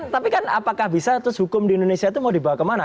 tapi kan apakah bisa terus hukum di indonesia itu mau dibawa kemana